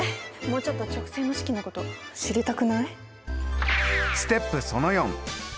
もうちょっと直線の式のこと知りたくない？